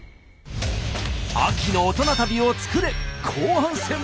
秋の大人旅を作れ後半戦。